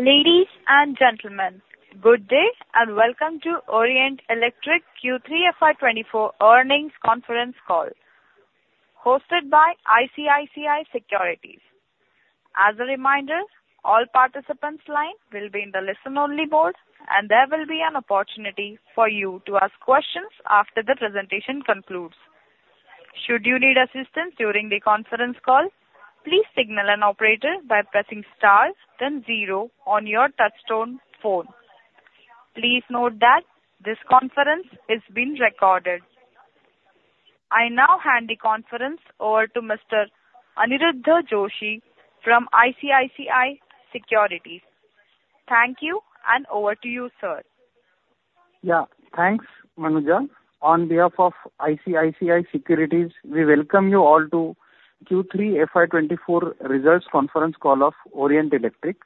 Ladies and gentlemen, good day, and welcome to Orient Electric Q3 FY 2024 earnings conference call, hosted by ICICI Securities. As a reminder, all participants' lines will be in the listen only mode, and there will be an opportunity for you to ask questions after the presentation concludes. Should you need assistance during the conference call, please signal an operator by pressing star then zero on your touchtone phone. Please note that this conference is being recorded. I now hand the conference over to Mr. Aniruddha Joshi from ICICI Securities. Thank you, and over to you, sir. Yeah. Thanks, Manuja. On behalf of ICICI Securities, we welcome you all to Q3 FY 2024 results conference call of Orient Electric.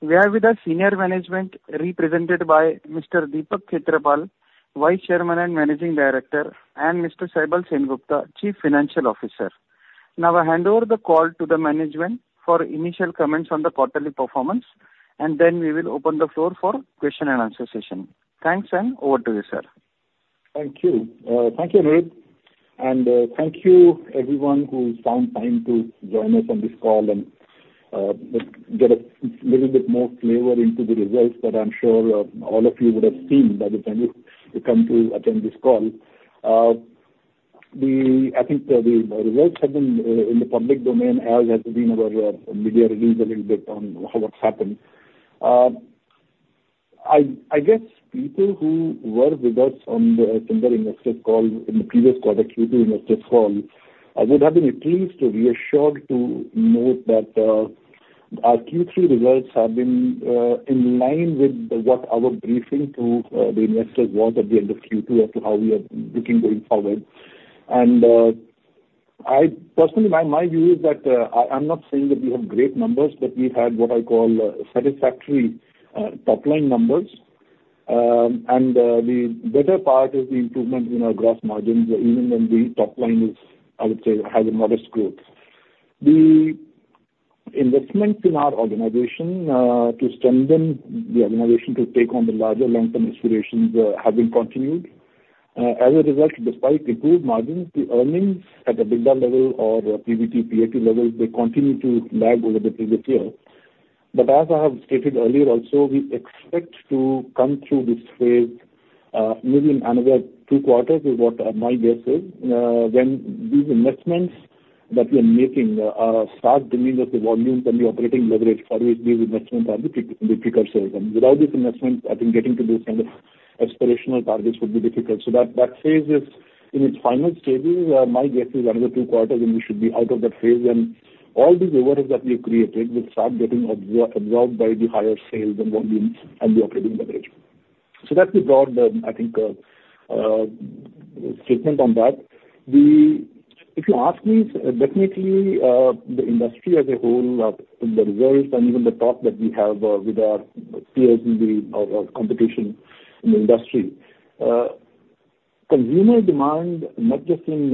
We are with our senior management, represented by Mr. Desh Deepak Khetrapal, Vice Chairman and Managing Director, and Mr. Saibal Sengupta, Chief Financial Officer. Now, I hand over the call to the management for initial comments on the quarterly performance, and then we will open the floor for question and answer session. Thanks, and over to you, sir. Thank you. Thank you, Aniruddha, and thank you everyone who found time to join us on this call and get a little bit more flavor into the results that I'm sure all of you would have seen by the time you've come to attend this call. I think the results have been in the public domain, as has been our media release a little bit on what's happened. I guess people who were with us on the investor call in the previous quarter, Q2 investors call, would have been pleased or reassured to note that our Q3 results have been in line with what our briefing to the investors was at the end of Q2 as to how we are looking going forward. I personally, my view is that I'm not saying that we have great numbers, but we've had what I call a satisfactory top line numbers. The better part is the improvement in our gross margins, even when the top line is, I would say, has a modest growth. The investments in our organization to strengthen the organization to take on the larger long-term aspirations have been continued. As a result, despite improved margins, the earnings at EBITDA level or PBT, PAT levels, they continue to lag over the previous year. But as I have stated earlier also, we expect to come through this phase, maybe in another two quarters, is what my guess is. When these investments that we are making start bringing up the volumes and the operating leverage for which these investments are to be precursor. And without these investments, I think getting to those kind of aspirational targets would be difficult. So that phase is in its final stages. My guess is another 2 quarters, and we should be out of that phase, and all the overheads that we've created will start getting absorbed by the higher sales and volumes and the operating leverage. So that's the broad, I think, statement on that. If you ask me, definitely, the industry as a whole, the results and even the talk that we have with our peers in the competition in the industry. Consumer demand, not just in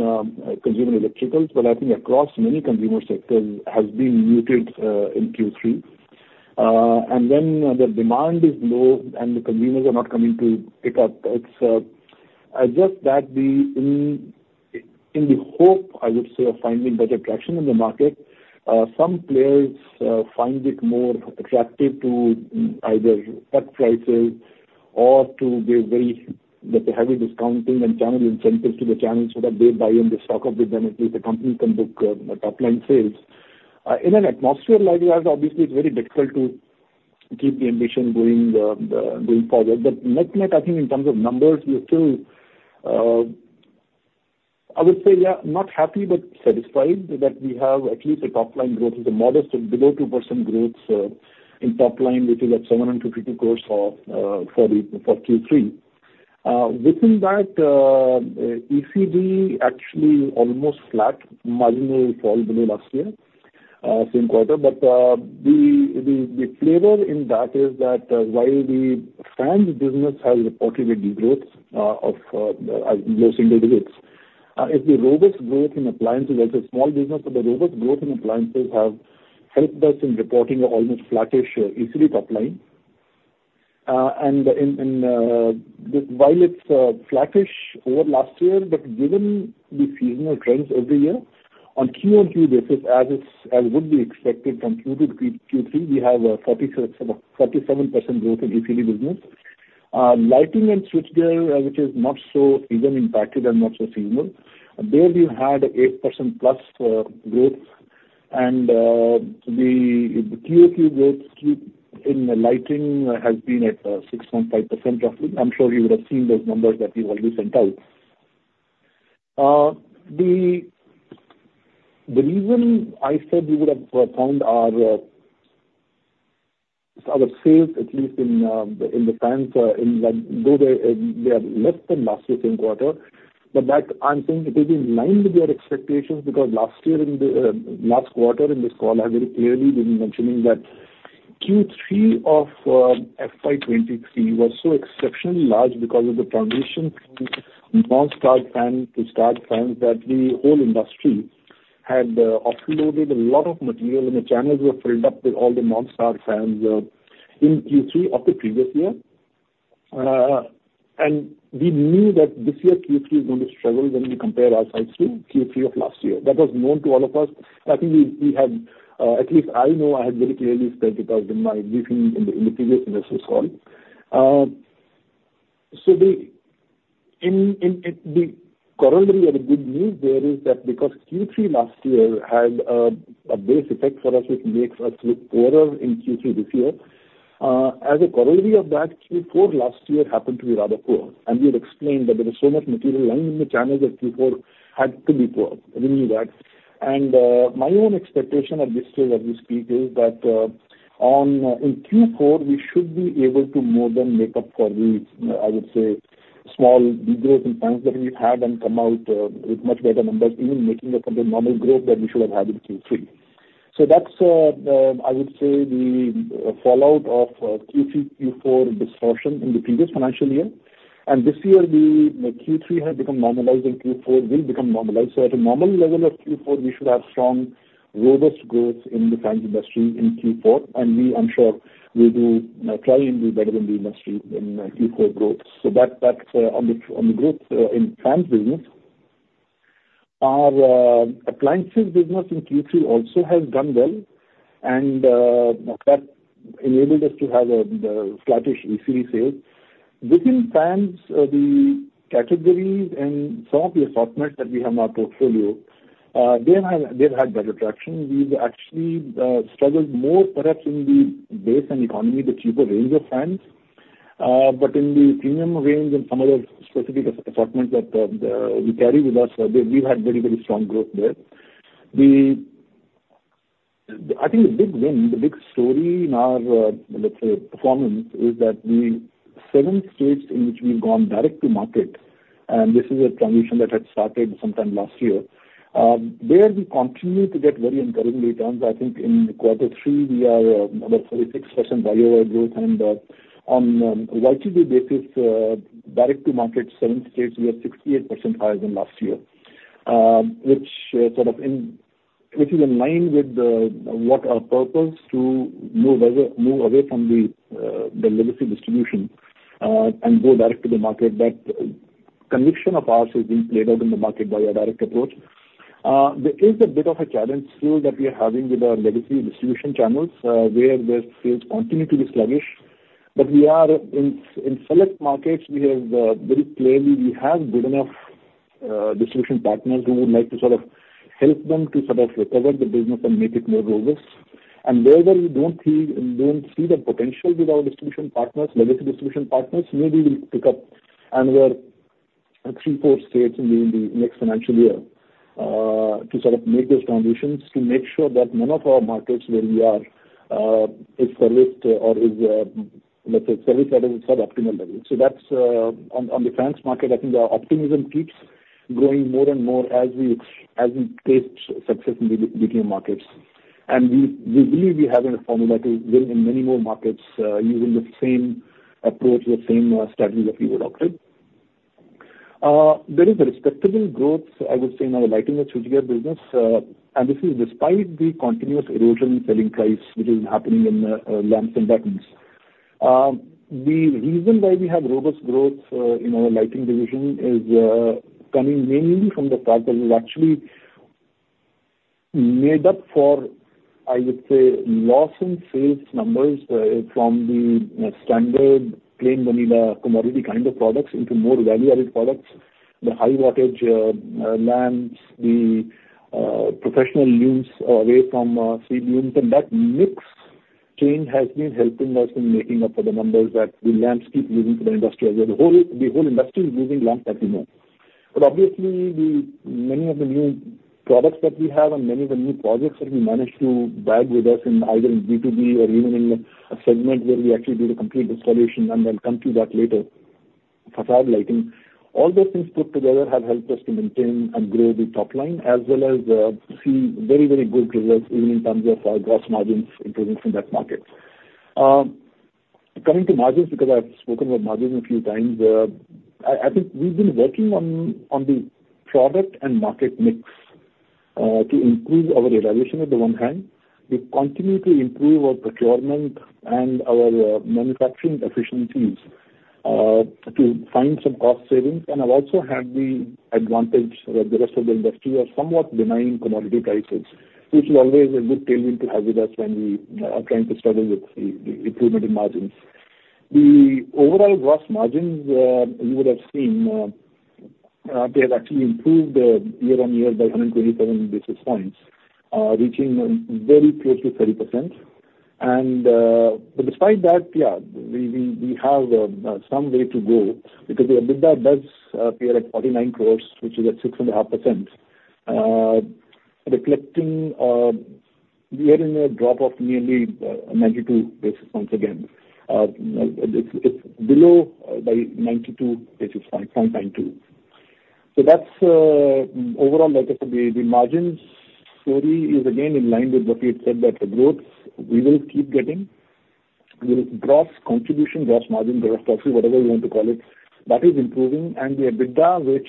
consumer electricals, but I think across many consumer sectors, has been muted in Q3. When the demand is low and the consumers are not coming to pick up, it's, I guess, in the hope, I would say, of finding better traction in the market, some players find it more attractive to either cut prices or to be very with a heavy discounting and channel incentives to the channels so that they buy and they stock up with them, and so the company can book top-line sales. In an atmosphere like that, obviously, it's very difficult to keep the ambition going, going forward. But net-net, I think in terms of numbers, we're still, I would say, yeah, not happy, but satisfied that we have at least a top-line growth, it's a modest, below 2% growth, in top line, which is at 725 crore for Q3. Within that, ECD actually almost flat, marginal fall below last year, same quarter. But, the flavor in that is that, while the fans business has reported a degrowth of low single digits, is the robust growth in appliances. That's a small business, but the robust growth in appliances have helped us in reporting an almost flattish ECD top line. While it's flattish over last year, but given the seasonal trends every year, on QoQ basis, as would be expected from Q2 to Q3, we have a 47% growth in ECD business. Lighting and switchgear, which is not so even impacted and not so seasonal, there we had 8%+ growth. The QoQ growth in lighting has been at 6.5% roughly. I'm sure you would have seen those numbers that we already sent out. The reason I said we would have found our sales, at least in the fans, in like, though they are less than last year same quarter, but that I'm saying it is in line with your expectations, because last year in the last quarter in this call, I very clearly been mentioning that Q3 of FY 2023 was so exceptionally large because of the transition from non-star fans to star fans, that the whole industry had offloaded a lot of material, and the channels were filled up with all the non-star fans in Q3 of the previous year. And we knew that this year, Q3 is going to struggle when we compare our sales to Q3 of last year. That was known to all of us. I think we had at least I know I had very clearly spelled it out in my briefing in the previous investors' call. So the corollary or the good news there is that because Q3 last year had a base effect for us, which makes us look poorer in Q3 this year, as a corollary of that, Q4 last year happened to be rather poor. And we had explained that there was so much material lying in the channels that Q4 had to be poor. We knew that. My own expectation at this stage, as we speak, is that on in Q4, we should be able to more than make up for the, I would say, small decrease in fans that we've had, and come out with much better numbers, even making up the normal growth that we should have had in Q3. So that's the, I would say, the fallout of Q3, Q4 distortion in the previous financial year. And this year, the Q3 has become normalized, and Q4 will become normalized. So at a normal level of Q4, we should have strong, robust growth in the fans industry in Q4, and we, I'm sure, we will, you know, try and do better than the industry in Q4 growth. So that, that's on the on the growth in fans business. Our appliances business in Q3 also has done well, and that enabled us to have flattish AC sales. Within fans, the categories and some of the assortment that we have in our portfolio, they have, they've had better traction. We've actually struggled more perhaps in the base and economy, the cheaper range of fans. But in the premium range and some other specific assortment that we carry with us, we've had very, very strong growth there. I think the big win, the big story in our, let's say, performance, is that the 7 states in which we've gone direct to market, and this is a transition that had started sometime last year, there we continue to get very encouraging returns. I think in quarter three, we are about 46% YoY growth. On YoY basis, direct to market, seven states, we are 68% higher than last year. Which is in line with what our purpose to move away, move away from the legacy distribution and go direct to the market. That conviction of ours is being played out in the market by our direct approach. There is a bit of a challenge still that we are having with our legacy distribution channels, where the sales continue to be sluggish. But we are in select markets, we have very clearly we have good enough distribution partners who would like to sort of help them to sort of recover the business and make it more robust. And wherever we don't see, don't see the potential with our distribution partners, legacy distribution partners, maybe we'll pick up another 3-4 states in the next financial year, to sort of make those transitions, to make sure that none of our markets where we are is serviced or is, let's say, serviced at a suboptimal level. So that's on the fans market, I think our optimism keeps growing more and more as we taste success in the DTM markets. And we believe we have a formula that will win in many more markets, using the same approach, the same strategy that we have adopted. There is a respectable growth, I would say, in our lighting and switchgear business, and this is despite the continuous erosion in selling price, which is happening in lamps and buttons. The reason why we have robust growth in our lighting division is coming mainly from the fact that we've actually made up for, I would say, loss in sales numbers from the standard plain vanilla commodity kind of products into more value-added products. The high wattage lamps, the professional looms away from seed looms, and that mix change has been helping us in making up for the numbers that the lamps keep losing to the industry, as the whole industry is losing lamps, as you know. But obviously, many of the new products that we have and many of the new projects that we managed to bag with us in either B2B or even in a segment where we actually do the complete installation, and I'll come to that later, facade lighting. All those things put together have helped us to maintain and grow the top line, as well as see very, very good results even in terms of our gross margins improving from that market. Coming to margins, because I've spoken about margins a few times, I think we've been working on the product and market mix to improve our realization on the one hand. We've continued to improve our procurement and our manufacturing efficiencies to find some cost savings, and have also had the advantage that the rest of the industry are somewhat denying commodity prices, which is always a good tailwind to have with us when we are trying to struggle with the, the improvement in margins. The overall gross margins, you would have seen, they have actually improved year-on-year by 120 basis points, reaching very close to 30%. But despite that, yeah, we have some way to go because the EBITDA does appear at 49 crore, which is at 6.5%, reflecting year-on-year drop of nearly 92 basis points again. It's below by 92 basis points, point nine two. So that's overall, like I said, the margins story is again in line with what we had said, that the growth we will keep getting. The gross contribution, gross margin, gross profit, whatever you want to call it, that is improving. And the EBITDA, which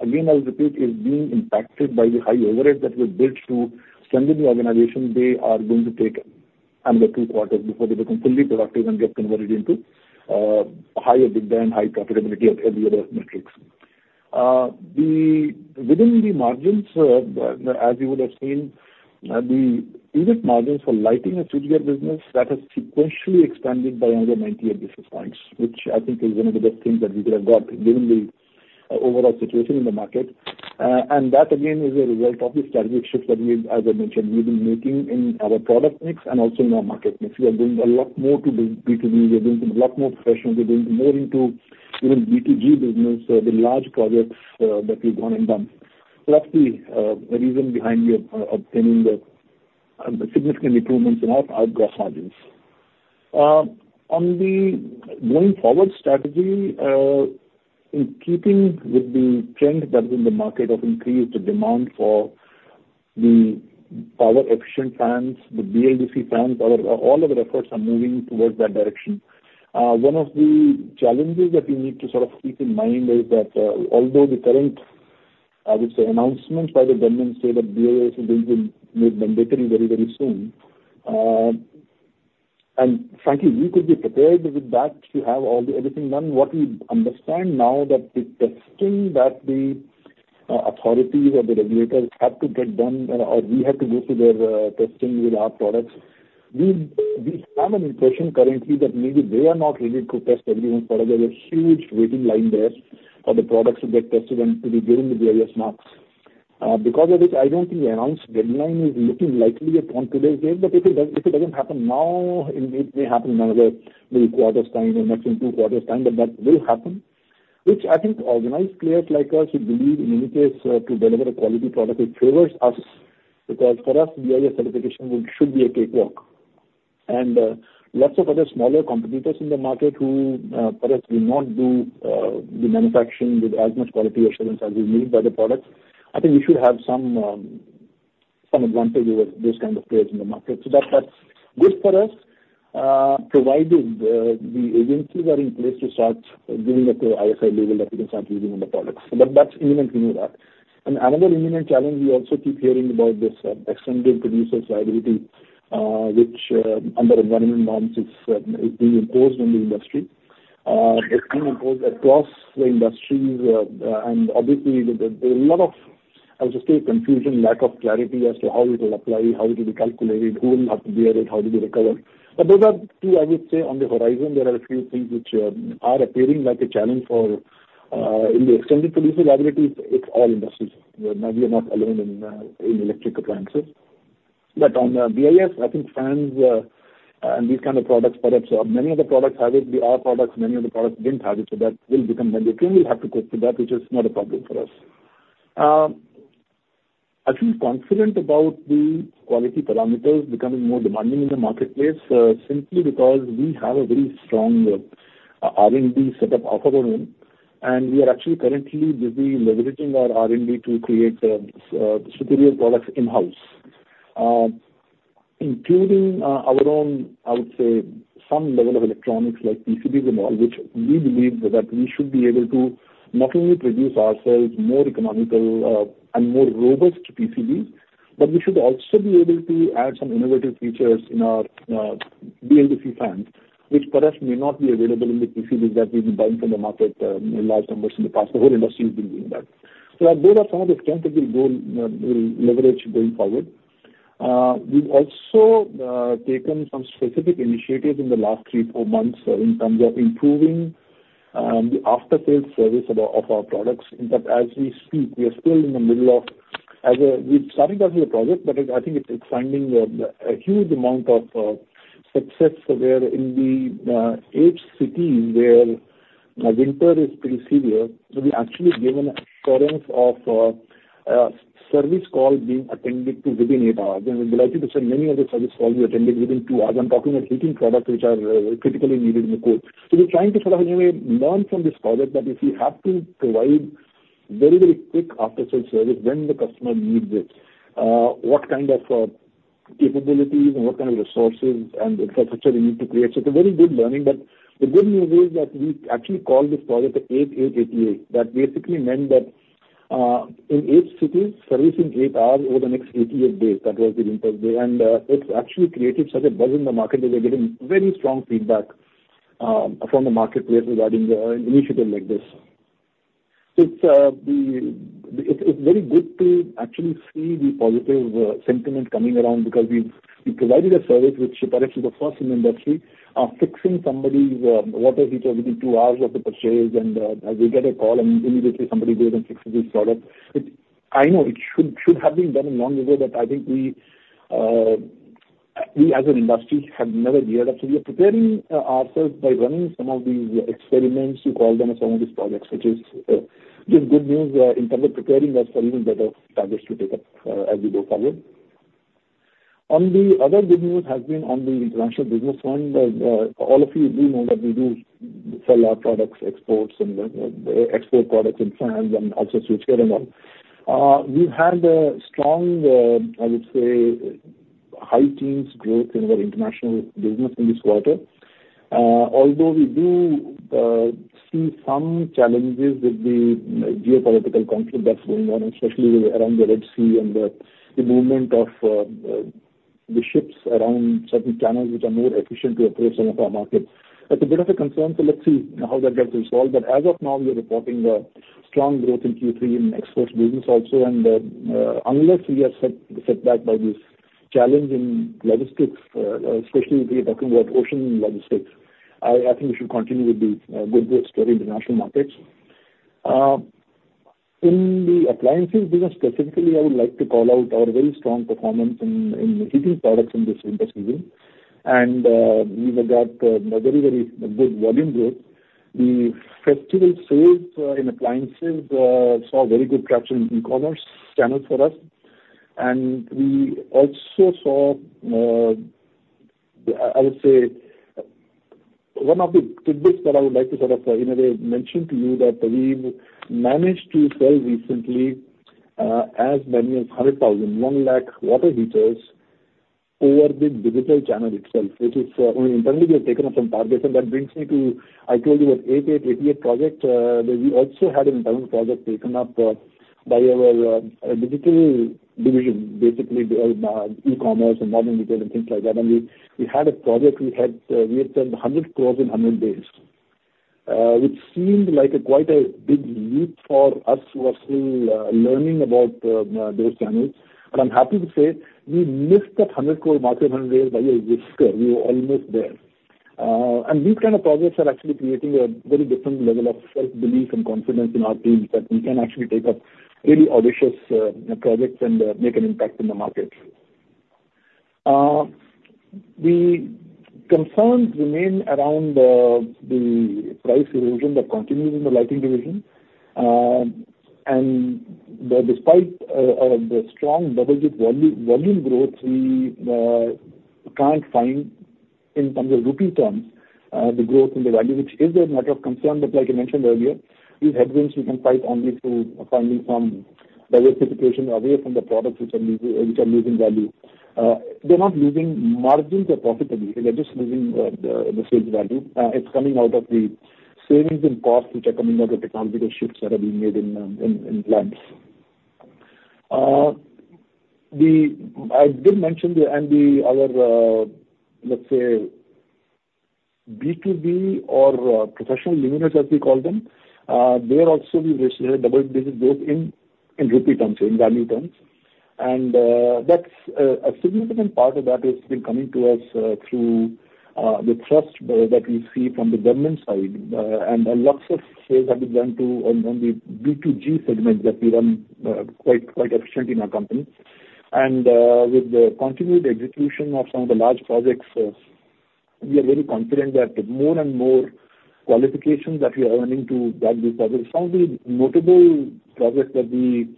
again, I repeat, is being impacted by the high overhead that we built to strengthen the organization, they are going to take another two quarters before they become fully productive and get converted into higher EBITDA and high profitability of the other metrics. Within the margins, as you would have seen, the unit margins for lighting and switchgear business, that has sequentially expanded by another 98 basis points, which I think is one of the best things that we could have got given the overall situation in the market. And that, again, is a result of the strategic shifts that we've, as I mentioned, we've been making in our product mix and also in our market mix. We are doing a lot more to do B2B, we are doing a lot more professional, we're doing more into even B2G business, the large projects that we've won and done. So that's the reason behind the obtaining the significant improvements in our, our gross margins. On the going forward strategy, in keeping with the trend that's in the market of increased demand for the power efficient fans, the BLDC fans, all of, all of our efforts are moving towards that direction. One of the challenges that we need to sort of keep in mind is that, although the current, I would say, announcements by the government say that BIS will be made mandatory very, very soon, and frankly, we could be prepared with that. We have all the- everything done. What we understand now that the testing that the, authorities or the regulators have to get done, or we have to go through their, testing with our products, we, we have an impression currently that maybe they are not ready to test everyone's product. There's a huge waiting line there for the products to get tested and to be given the BIS marks. Because of this, I don't think the announced deadline is looking likely at point today's date, but if it does, if it doesn't happen now, it, it may happen in another maybe quarter's time or maximum two quarters' time, but that will happen, which I think organized players like us who believe in any case to deliver a quality product, it favors us. Because for us, BIS certification will, should be a cakewalk. And lots of other smaller competitors in the market who perhaps will not do the manufacturing with as much quality assurance as we need by the products, I think we should have some, some advantage over those kind of players in the market. So that's, that's good for us, provided the agencies are in place to start giving the ISI label that we can start using on the products. But that's imminent, we know that. And another imminent challenge, we also keep hearing about this extended producer's responsibility, which under environmental norms is being imposed on the industry. It's being imposed across the industry, and obviously, there, there are a lot of, I would just say, confusion, lack of clarity as to how it will apply, how it will be calculated, who will have to bear it, how to be recovered. But those are two, I would say, on the horizon, there are a few things which are appearing like a challenge for... in the extended producer's responsibility, it's all industries. We are not alone in electric appliances. But on BIS, I think fans and these kind of products, perhaps many of the products have it, our products, many of the products didn't have it, so that will become mandatory. We'll have to cope with that, which is not a problem for us. I feel confident about the quality parameters becoming more demanding in the marketplace, simply because we have a very strong R&D setup of our own, and we are actually currently busy leveraging our R&D to create superior products in-house. Including our own, I would say, some level of electronics, like PCBs and all, which we believe that we should be able to not only produce ourselves more economical, and more robust PCBs, but we should also be able to add some innovative features in our BLDC fans, which perhaps may not be available in the PCBs that we've been buying from the market in large numbers in the past. The whole industry has been doing that. So those are some of the strengths that we'll build, we'll leverage going forward. We've also taken some specific initiatives in the last three, four months in terms of improving the after-sale service of our products. In fact, as we speak, we are still in the middle of... We've started off with a project, but I think it's finding a huge amount of success where in the eight cities where winter is pretty severe, so we've actually given a assurance of a service call being attended to within eight hours. And I would like to say many of the service calls were attended within two hours. I'm talking of heating products which are critically needed in the cold. So we're trying to sort of, in a way, learn from this project that if we have to provide very, very quick after-sale service when the customer needs it, what kind of capabilities and what kind of resources and infrastructure we need to create? So it's a very good learning, but the good news is that we actually call this project the eight, eight, eighty-eight. That basically meant that in 8 cities, service in 8 hours over the next 88 days. That was the winter day. And it's actually created such a buzz in the market that we're getting very strong feedback from the marketplace regarding the initiative like this. It's it's very good to actually see the positive sentiment coming around because we've provided a service which perhaps is the first in the industry, of fixing somebody's water heater within 2 hours of the purchase. And as we get a call and immediately somebody goes and fixes this product. I know it should have been done long ago, but I think we as an industry have never geared up. We are preparing ourselves by running some of these experiments, you call them, some of these projects, which is give good news in terms of preparing us for even better targets to take up as we go forward. On the other good news has been on the financial business front. All of you do know that we do sell our products, exports, and export products and fans and also switchgear and all. We've had a strong, I would say, high teens growth in our international business in this quarter. Although we do see some challenges with the geopolitical conflict that's going on, especially around the Red Sea and the movement of the ships around certain channels which are more efficient to approach some of our markets. That's a bit of a concern, so let's see how that gets resolved. But as of now, we are reporting a strong growth in Q3 in export business also. And unless we are set back by this challenge in logistics, especially if we are talking about ocean logistics, I think we should continue with the good growth in our international markets. In the appliances business specifically, I would like to call out our very strong performance in heating products in this winter season. And we have got a very, very good volume growth. The festival sales in appliances saw very good traction in e-commerce channel for us. We also saw, I would say, one of the tidbits that I would like to sort of, in a way, mention to you that we've managed to sell recently, as many as 100,000, 1 lakh water heaters over the digital channel itself, which is, internally we have taken up some targets. That brings me to, I told you about 8, 8, 88 project, that we also had an internal project taken up by our digital division, basically the e-commerce and modern retail and things like that. We had a project, we had turned 100 crore in 100 days, which seemed like quite a big leap for us who are still learning about those channels. I'm happy to say we missed that 100 crore mark in 100 days by a whisker. We were almost there. And these kind of projects are actually creating a very different level of self-belief and confidence in our teams, that we can actually take up really audacious projects and make an impact in the market. The concerns remain around the price erosion that continues in the lighting division. And despite the strong double-digit volume growth, we can't find in terms of rupee terms the growth in the value, which is a matter of concern. But like I mentioned earlier, these headwinds we can fight only through finding some diversification away from the products which are losing value. They're not losing margins or profitability, they're just losing the sales value. It's coming out of the savings in costs, which are coming out of the technological shifts that are being made in plans. I did mention the, and our, let's say, B2B or professional luminaires, as we call them. There also we've reached a double-digit growth in rupee terms, in value terms. And that's a significant part of that has been coming to us through the trust that we see from the government side. And lots of sales have been done to the B2G segment that we run quite efficient in our company. And with the continued execution of some of the large projects, we are very confident that more and more qualifications that we are running to bag these projects. Some of the notable projects that we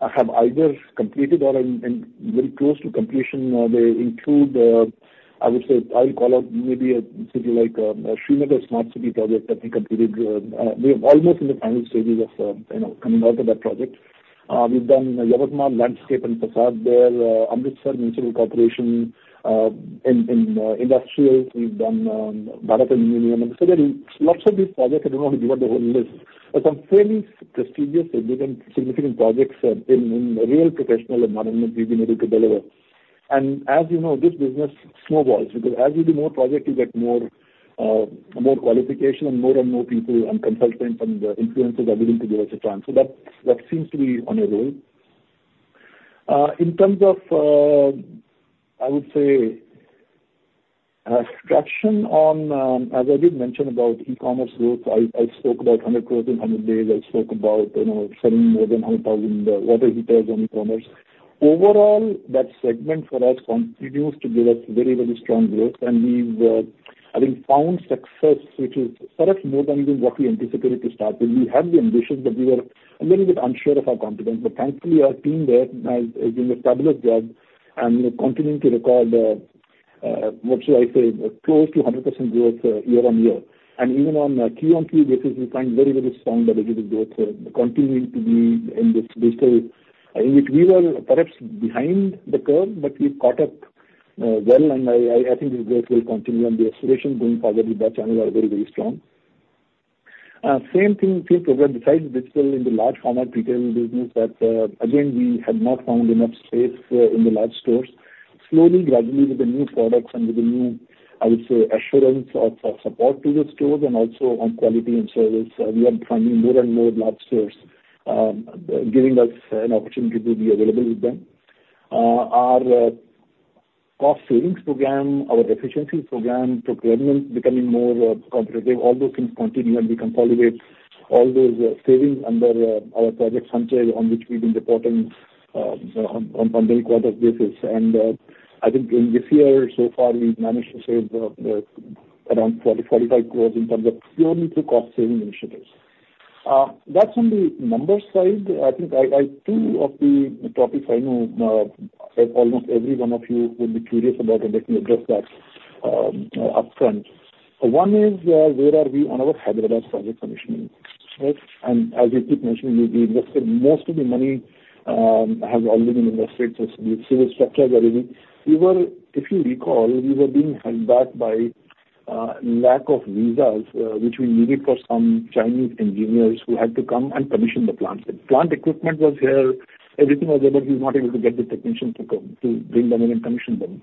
have either completed or are in very close to completion, they include. I would say, I'll call out maybe a city like Srinagar Smart City project that we completed. We are almost in the final stages of, you know, coming out of that project. We've done Yamuna landscape and facade there, Amritsar Municipal Corporation, in industrial, we've done Bharat Aluminium. So there is lots of these projects. I don't want to give out the whole list, but some very prestigious and different significant projects, in a real professional environment we've been able to deliver. And as you know, this business snowballs, because as you do more project, you get more, more qualification and more and more people and consultants and influencers are willing to give us a try. So that seems to be on a roll. In terms of, I would say, traction on, as I did mention about e-commerce growth, I spoke about 100 crore in 100 days. I spoke about, you know, selling more than 100,000 water heaters on e-commerce. Overall, that segment for us continues to give us very, very strong growth, and we've, I think, found success, which is perhaps more than even what we anticipated to start with. We had the ambitions, but we were a little bit unsure of our confidence. But thankfully, our team there has done a fabulous job and continuing to record, what should I say? Close to 100% growth, year-over-year. And even on a quarter-over-quarter basis, we find very, very strong double-digit growth, continuing to be in this digital... In which we were perhaps behind the curve, but we've caught up, well, and I think this growth will continue and the acceleration going forward with that channel are very, very strong. Same thing, same program besides digital in the large format retail business, but again, we had not found enough space in the large stores. Slowly, gradually, with the new products and with the new, I would say, assurance of support to the stores and also on quality and service, we are finding more and more large stores giving us an opportunity to be available with them. Our cost savings program, our efficiency program, procurement becoming more competitive, all those things continue, and we consolidate all those savings under our Project Sunshine, on which we've been reporting on quarterly quarter basis. I think in this year, so far, we've managed to save around 40-45 crore purely through cost-saving initiatives. That's on the numbers side. I think two of the topics I know that almost every one of you will be curious about, and let me address that upfront. One is, where are we on our Hyderabad project commissioning, right? And as we keep mentioning, we invested most of the money has already been invested, so the civil structure is ready. We were, if you recall, being held back by lack of visas, which we needed for some Chinese engineers who had to come and commission the plants. The plant equipment was here, everything was there, but we were not able to get the technicians to come, to bring them in and commission them.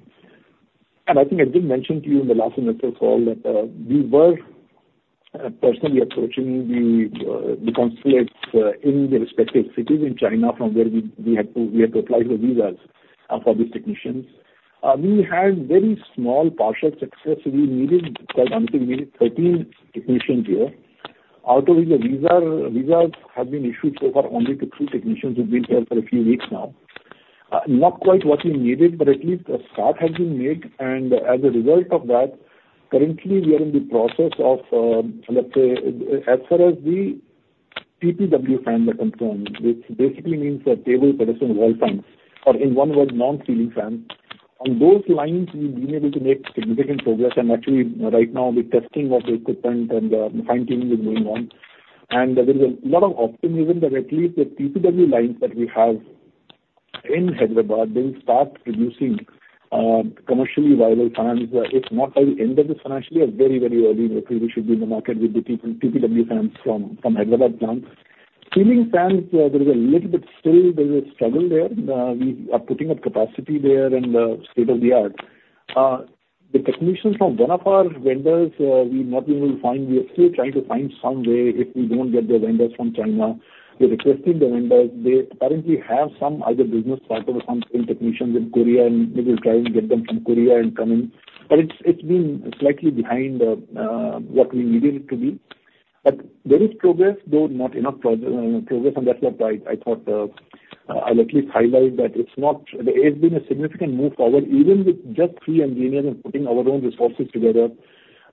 I think I did mention to you in the last investor call that we were personally approaching the consulates in the respective cities in China from where we had to apply for visas for these technicians. We had very small partial success. We needed quite until we needed 13 technicians here. Out of which the visas have been issued so far only to 2 technicians who've been here for a few weeks now. Not quite what we needed, but at least a start has been made, and as a result of that, currently we are in the process of, let's say, as far as the TPW fan are concerned, which basically means that they will produce wall fans, or in one word, non-ceiling fans. On those lines, we've been able to make significant progress and actually right now the testing of the equipment and the fine-tuning is going on. And there is a lot of optimism that at least the PPW lines that we have in Hyderabad, they'll start producing commercially viable fans, if not by the end of this financially or very, very early in April, we should be in the market with the PPW fans from Hyderabad plant. Ceiling fans, there is a little bit still, there is a struggle there. We are putting up capacity there in the state-of-the-art. The technicians from one of our vendors, we've not been able to find. We are still trying to find some way if we don't get the vendors from China. We're requesting the vendors. They apparently have some other business partner or some technicians in Korea, and we will try and get them from Korea and come in. But it's been slightly behind what we needed it to be. But there is progress, though, not enough progress, and that's what I thought I'll at least highlight that it's not—there's been a significant move forward, even with just three engineers and putting our own resources together.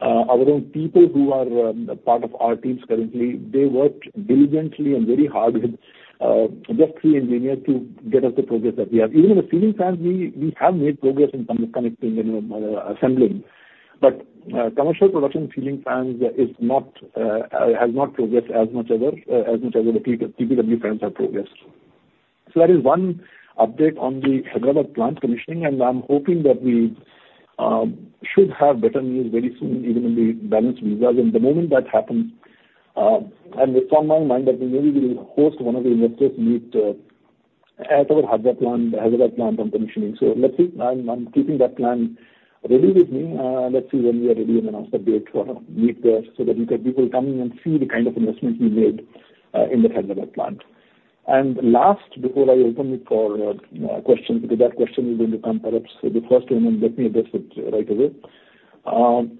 Our own people who are part of our teams currently, they worked diligently and very hard with just three engineers to get us the progress that we have. Even in the ceiling fans, we have made progress in connecting and assembling. But commercial production ceiling fans has not progressed as much as the PPW fans have progressed. So that is one update on the Hyderabad plant commissioning, and I'm hoping that we should have better news very soon, even in the BLDC fans. And the moment that happens, and it's on my mind that we maybe will host one of the investors meet at our Hyderabad plant on commissioning. So let's see. I'm keeping that plan ready with me. Let's see when we are ready and announce the date for a meet there so that we can people come in and see the kind of investment we made in the Hyderabad plant. Last, before I open it for questions, because that question is going to come perhaps the first one, and let me address it right away.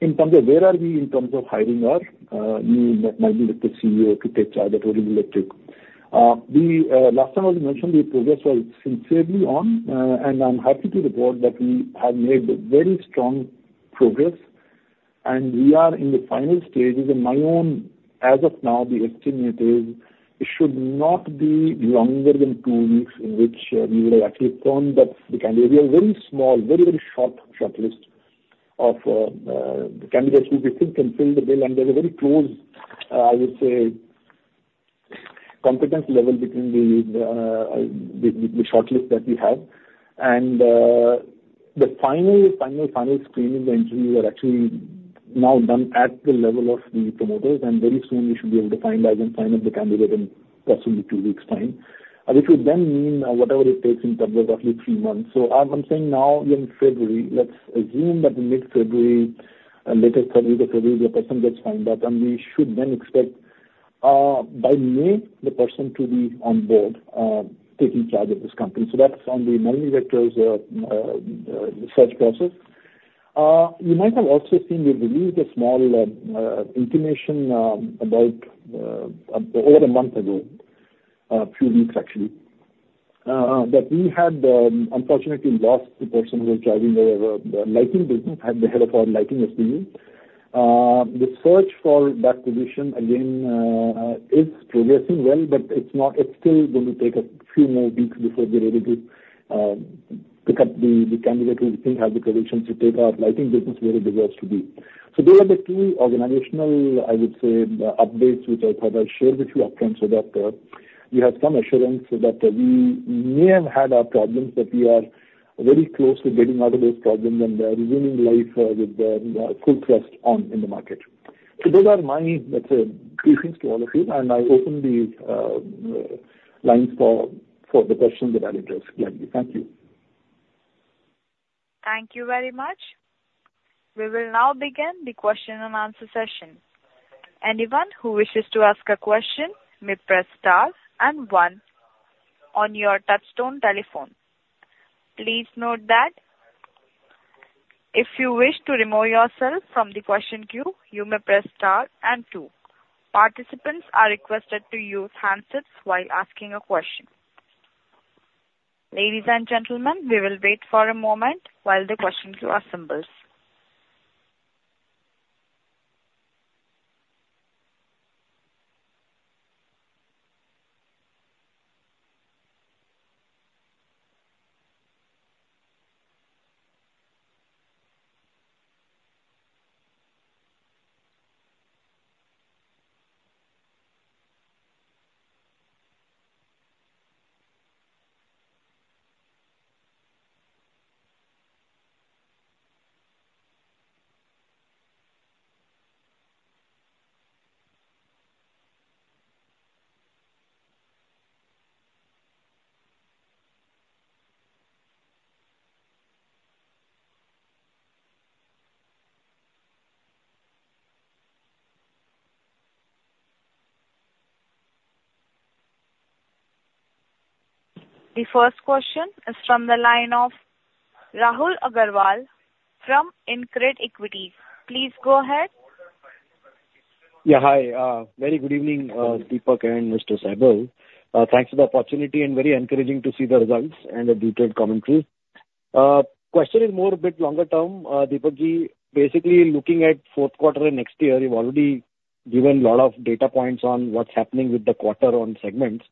In terms of where are we in terms of hiring our new executive CEO to take charge at Orient Electric. The last time I mentioned the progress was sincerely on, and I'm happy to report that we have made very strong progress, and we are in the final stages. In my own, as of now, the estimate is it should not be longer than two weeks in which we will actually confirm that the candidate. We have a very small, very, very short shortlist of candidates who we think can fill the bill, and there's a very close, I would say, competence level between the, the, the shortlist that we have. And the final, final, final screening and interviews are actually now done at the level of the promoters, and very soon we should be able to finalize and sign up the candidate in less than the two weeks' time. This would then mean, whatever it takes in terms of roughly three months. So as I'm saying now, in February, let's assume that in mid-February, later February, the February, the person gets signed up, and we should then expect, by May, the person to be on board, taking charge of this company. So that's on the main vectors of the search process. You might have also seen we released a small intimation about over a month ago, a few weeks actually, that we had unfortunately lost the person who was driving the lighting business and the head of our lighting SBU. The search for that position again is progressing well, but it's not, it's still going to take a few more weeks before we're ready to pick up the candidate who we think has the potential to take our lighting business where it deserves to be. So those are the three organizational, I would say, updates, which I thought I'd share with you upfront so that you have some assurance that we may have had our problems, but we are very close to getting out of those problems and resuming life with full thrust on in the market. So those are my, let's say, greetings to all of you, and I open the lines for the questions that I'll address gladly. Thank you. Thank you very much. We will now begin the question-and-answer session. Anyone who wishes to ask a question, may press star and one on your touchtone telephone. Please note that if you wish to remove yourself from the question queue, you may press star and two. Participants are requested to use handsets while asking a question. Ladies and gentlemen, we will wait for a moment while the question queue assembles.... The first question is from the line of Rahul Agarwal from InCred Equity. Please go ahead. Yeah, hi, very good evening, Deepak and Mr. Saibal. Thanks for the opportunity and very encouraging to see the results and the detailed commentary. Question is more a bit longer term, Deepakji. Basically, looking at fourth quarter and next year, you've already given a lot of data points on what's happening with the quarter on segments.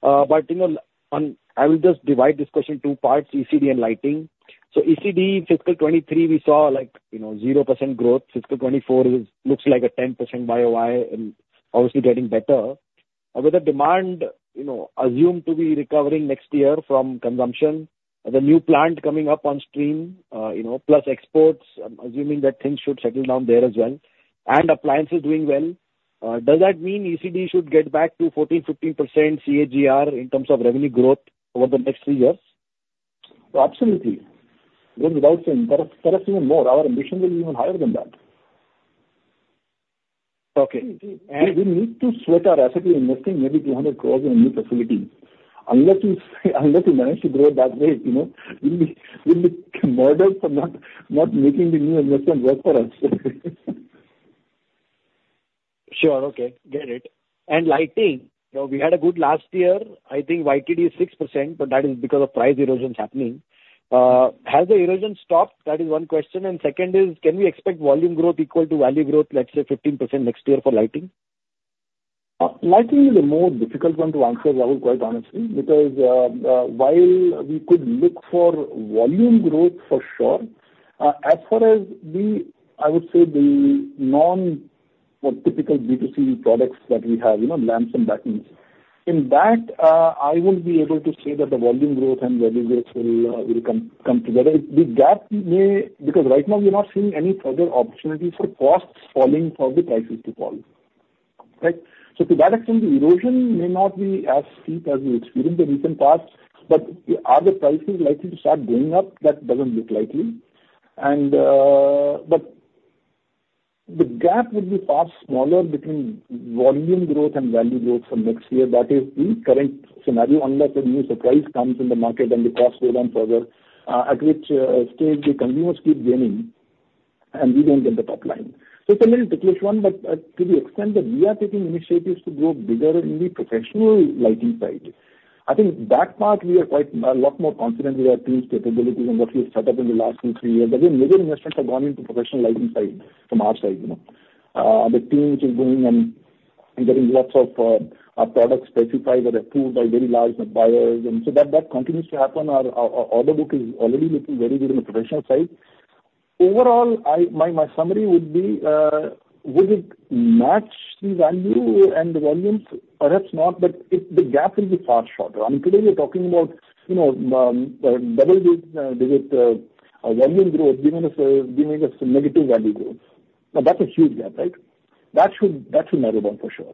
But, you know, on- I will just divide this question two parts, ECD and lighting. So ECD, fiscal 2023, we saw, like, you know, 0% growth. Fiscal 2024 is, looks like a 10% YoY and obviously getting better. With the demand, you know, assumed to be recovering next year from consumption, the new plant coming up on stream, you know, plus exports, I'm assuming that things should settle down there as well, and appliances doing well, does that mean ECD should get back to 14%-15% CAGR in terms of revenue growth over the next three years? Absolutely. Without saying, perhaps, perhaps even more. Our ambition will be even higher than that. Okay, and- We need to sweat our asset we're investing maybe 300 crore in a new facility. Unless we manage to grow that way, you know, we'll be murdered for not making the new investment work for us. Sure. Okay, get it. And lighting, you know, we had a good last year. I think YTD is 6%, but that is because of price erosion is happening. Has the erosion stopped? That is one question. And second is, can we expect volume growth equal to value growth, let's say 15% next year for lighting? Lighting is a more difficult one to answer, Rahul, quite honestly, because while we could look for volume growth for sure, as far as the... I would say the non-typical B2C products that we have, you know, lamps and batteries. In that, I will be able to say that the volume growth and value growth will come together. The gap may, because right now we're not seeing any further opportunity for costs falling, for the prices to fall, right? So to that extent, the erosion may not be as steep as we experienced in recent past, but are the prices likely to start going up? That doesn't look likely. But the gap will be far smaller between volume growth and value growth for next year. That is the current scenario, unless a new surprise comes in the market and the costs go down further, at which stage the consumers keep gaining, and we don't get the top line. So it's a little difficult one, but to the extent that we are taking initiatives to grow bigger in the professional lighting side. I think that part we are quite a lot more confident with our team's capabilities and what we have set up in the last two, three years. Again, major investments have gone into professional lighting side, from our side, you know. The team which is going and, and getting lots of, our products specified or approved by very large buyers, and so that, that continues to happen. Our, our, our order book is already looking very good on the professional side. Overall, my summary would be, will it match the value and the volumes? Perhaps not, but the gap will be far shorter. And today we're talking about, you know, double-digit volume growth, giving us negative value growth. Now, that's a huge gap, right? That should narrow down for sure.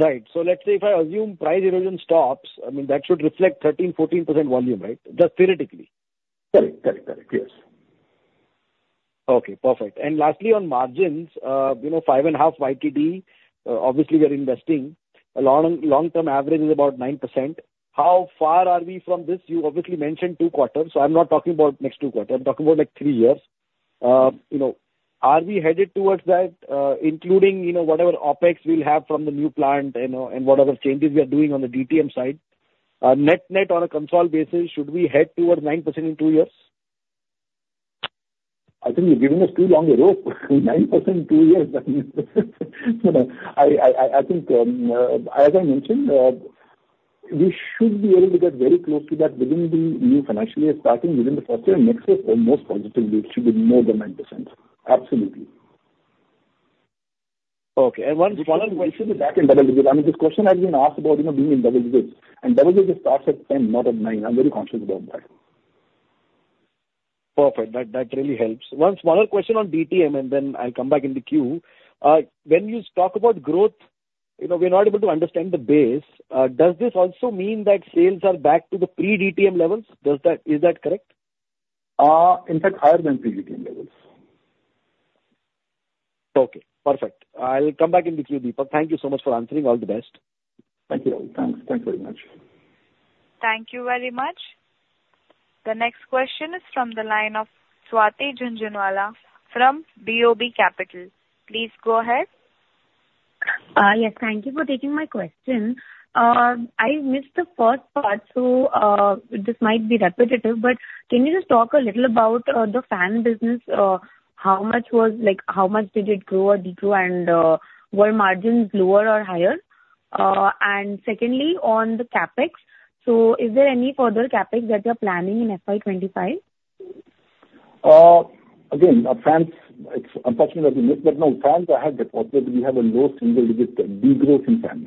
Right. So let's say if I assume price erosion stops, I mean, that should reflect 13%-14% volume, right? Just theoretically. Correct. Correct, correct. Yes. Okay, perfect. And lastly, on margins, you know, 5.5 YTD, obviously, we are investing. Long, long-term average is about 9%. How far are we from this? You obviously mentioned two quarters, so I'm not talking about next two quarters. I'm talking about, like, three years. You know, are we headed towards that, including, you know, whatever OpEx we'll have from the new plant, you know, and what other changes we are doing on the DTM side? Net-net, on a consol basis, should we head towards 9% in two years? I think you've given us too long a rope. 9% in two years, I mean, you know, I think, as I mentioned, we should be able to get very close to that within the new financial year, starting within the first year next year, almost positively, it should be more than 9%. Absolutely. Okay, and one follow-up- It should be back in double digits. I mean, this question has been asked about, you know, being in double digits, and double digits starts at 10, not at nine. I'm very conscious about that. Perfect. That, that really helps. One smaller question on DTM, and then I'll come back in the queue. When you talk about growth, you know, we're not able to understand the base. Does this also mean that sales are back to the pre-DTM levels? Does that... Is that correct? In fact, higher than pre-DTM levels. Okay, perfect. I'll come back in the queue, Deepak. Thank you so much for answering. All the best. Thank you, Rahul. Thanks. Thank you very much. Thank you very much. The next question is from the line of Swati Jhunjhunwala from BOB Capital. Please go ahead. Yes, thank you for taking my question. I missed the first part, so this might be repetitive, but can you just talk a little about the fan business? How much was... Like, how much did it grow or decrease, and were margins lower or higher? And secondly, on the CapEx, so is there any further CapEx that you're planning in FY 2025? Again, our fans, it's unfortunate that we missed, but no, fans, I have reported we have a low single digit degrowth in fans.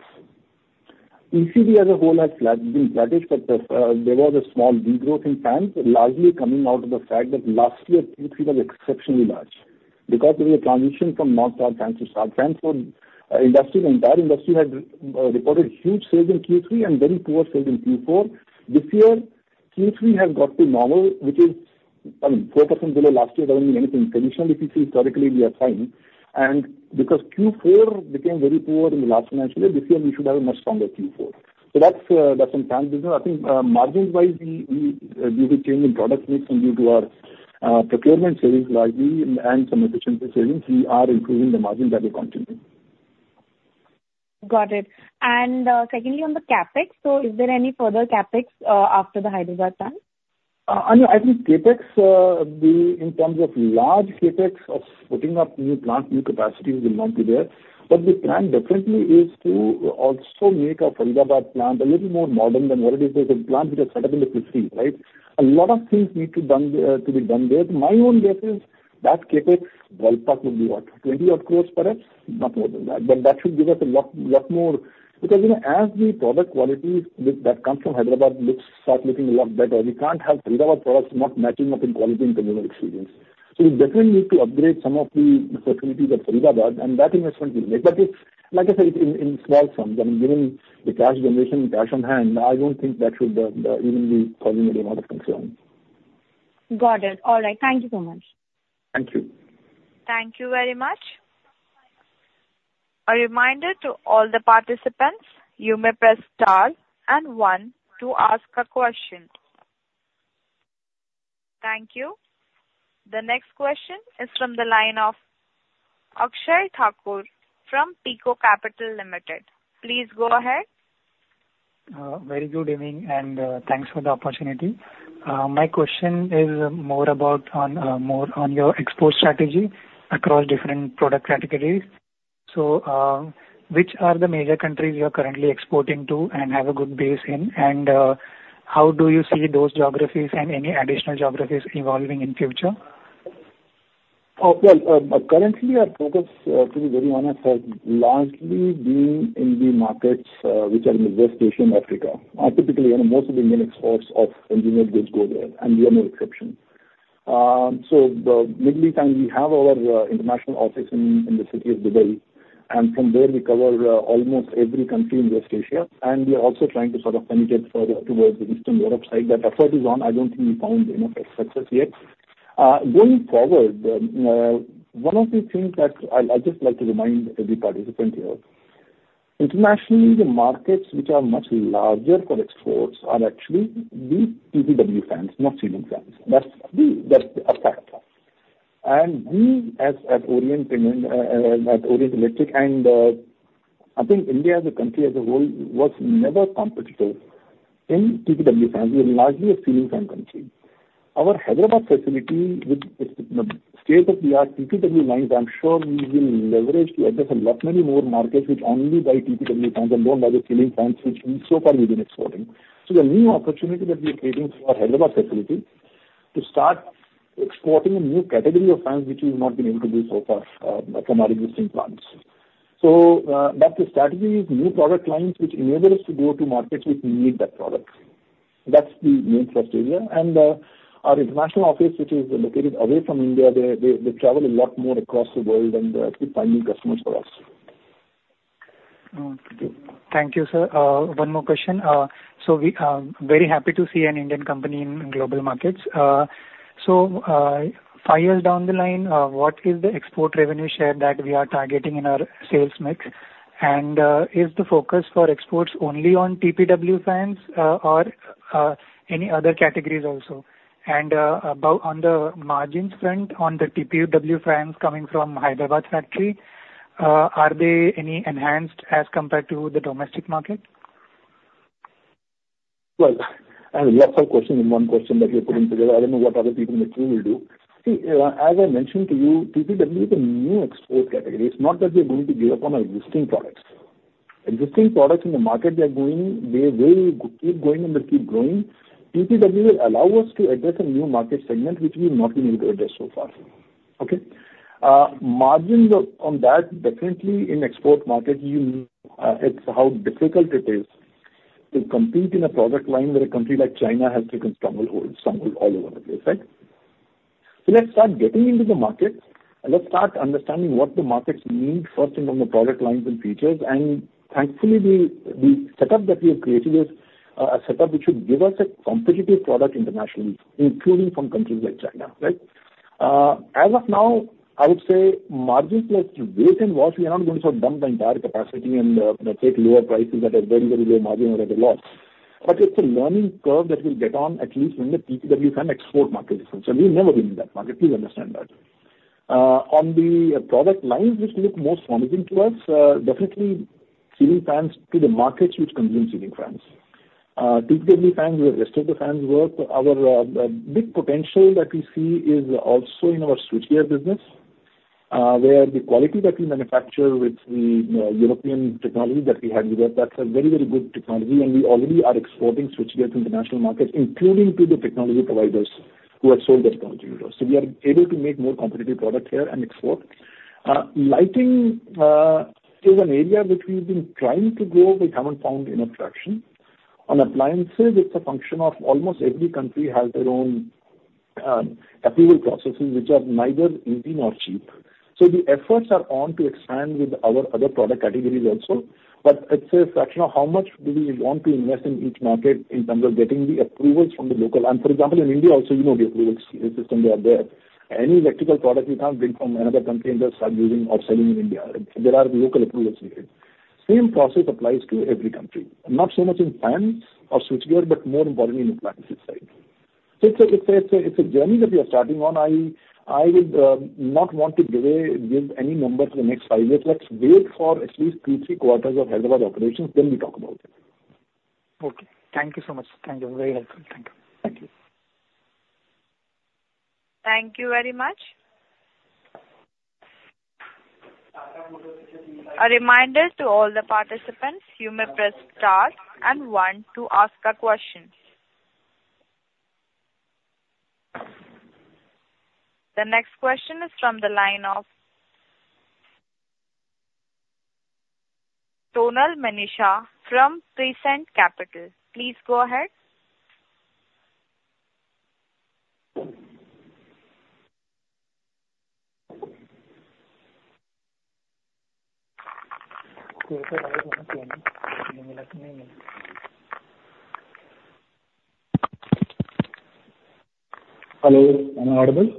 ECD as a whole has flat, been flattish, but the, there was a small degrowth in fans, largely coming out of the fact that last year Q3 was exceptionally large because there was a transition from non-star fans to star fans, where, industry, the entire industry had, reported huge sales in Q3 and very poor sales in Q4. This year, Q3 has got to normal, which is, I mean, 4% below last year, doesn't mean anything. Traditionally, Q3, historically, we are fine. And because Q4 became very poor in the last financial year, this year we should have a much stronger Q4. So that's, that's in fans. I think, margins-wise, due to change in product mix and due to our procurement savings largely and some efficiency savings, we are improving the margins. That will continue. Got it. And, secondly, on the CapEx, so is there any further CapEx after the Hyderabad plant? I know. I think CapEx, the, in terms of large CapEx of putting up new plant, new capacity will not be there. But the plan definitely is to also make our Faridabad plant a little more modern than what it is. There's a plant which was set up in the fifty, right? A lot of things need to done, to be done there. My own guess is that CapEx well, talk will be what? 20-odd crores perhaps, not more than that. But that should give us a lot, lot more... Because, you know, as the product quality that, that comes from Hyderabad looks, start looking a lot better, we can't have Faridabad products not matching up in quality and customer experience. So we definitely need to upgrade some of the facilities at Faridabad, and that investment we'll make. But it's, like I said, in small sums, I mean, given the cash generation, cash on hand, I don't think that should even be causing a lot of concern. Got it. All right. Thank you so much. Thank you. Thank you very much. A reminder to all the participants, you may press Star and One to ask a question. Thank you. The next question is from the line of Akshay Thakur from Pico Capital Limited. Please go ahead. Very good evening, and, thanks for the opportunity. My question is more about on, more on your export strategy across different product categories. So, which are the major countries you are currently exporting to and have a good base in? And, how do you see those geographies and any additional geographies evolving in future? Well, currently, our focus, to be very honest, has largely been in the markets which are in West Asia and Africa. Typically, you know, most of the Indian exports of engineered goods go there, and we are no exception. Meanwhile, we have our international office in the city of Dubai, and from there we cover almost every country in West Asia, and we are also trying to sort of penetrate further towards the Eastern Europe side. That effort is on. I don't think we found, you know, success yet. Going forward, one of the things that I'd just like to remind every participant here, internationally, the markets which are much larger for exports are actually the PPW fans, not ceiling fans. That's a fact. We, as at Orient, at Orient Electric, and, I think India as a country as a whole was never competitive in PPW fans. We are largely a ceiling fan country. Our Hyderabad facility, with the state-of-the-art PPW lines, I'm sure we will leverage to address a lot many more markets which only buy PPW fans and don't buy the ceiling fans, which so far we've been exporting. So the new opportunity that we are creating through our Hyderabad facility, to start exporting a new category of fans, which we've not been able to do so far, from our existing plants. So, that the strategy is new product lines, which enable us to go to markets which need that product. That's the main first area. Our international office, which is located away from India, they travel a lot more across the world and keep finding customers for us. Oh, thank you. Thank you, sir. One more question. So we very happy to see an Indian company in global markets. So, five years down the line, what is the export revenue share that we are targeting in our sales mix? And, is the focus for exports only on TPW fans, or, any other categories also? And, about on the margins front, on the TPW fans coming from Hyderabad factory, are they any enhanced as compared to the domestic market? Well, and lots of questions in one question that you're putting together. I don't know what other people in the queue will do. See, as I mentioned to you, PPW is a new export category. It's not that we're going to give up on our existing products. Existing products in the market, they are going, they, they will keep going and they'll keep growing. PPW will allow us to address a new market segment, which we've not been able to address so far. Okay? Margins on that, definitely in export market, it's how difficult it is to compete in a product line that a country like China has taken strong hold, strong hold all over the place, right? So let's start getting into the market and let's start understanding what the markets need, first in on the product lines and features. And thankfully, the setup that we have created is a setup which should give us a competitive product internationally, including from countries like China, right? As of now, I would say margins like wait and watch. We are not going to dump the entire capacity and take lower prices at a very, very low margin or at a loss. But it's a learning curve that we'll get on, at least in the PPW fan export market, for sure. We've never been in that market, please understand that. On the product lines which look most promising to us, definitely ceiling fans to the markets which consume ceiling fans. PPW fans or rest of the fans work, our big potential that we see is also in our switchgear business... Where the quality that we manufacture with the, European technology that we had with us, that's a very, very good technology, and we already are exporting switchgear to international markets, including to the technology providers who have sold that technology to us. So we are able to make more competitive product here and export. Lighting is an area which we've been trying to grow, we haven't found enough traction. On appliances, it's a function of almost every country has their own, approval processes, which are neither easy nor cheap. So the efforts are on to expand with our other product categories also, but it's a fraction of how much do we want to invest in each market in terms of getting the approvals from the local. And for example, in India also, you know, the approval system they are there. Any electrical product you can't bring from another country and just start using or selling in India. There are local approvals needed. Same process applies to every country. Not so much in fans or switchgear, but more importantly in appliances side. So it's a journey that we are starting on. I would not want to give away any number for the next five years. Let's wait for at least two, three quarters of Hyderabad operations, then we talk about it. Okay. Thank you so much. Thank you. Very helpful. Thank you. Thank you. Thank you very much. A reminder to all the participants, you may press star and one to ask a question. The next question is from the line of Tonal Manisha from Prescient Capital. Please go ahead. Hello, am I audible?